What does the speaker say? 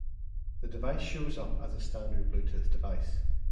The device shows up as a standard bluetooth device.